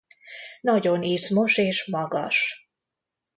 Nagyon izmos és magas.